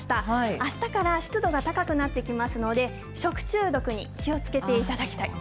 あしたから湿度が高くなってきますので、食中毒に気をつけていただきたい。